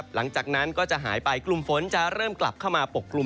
หลังจากนั้นก็จะหายไปกลุ่มฝนจะเริ่มกลับเข้ามาปกกลุ่ม